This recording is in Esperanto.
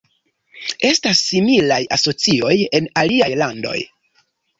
Estas similaj asocioj en aliaj landoj.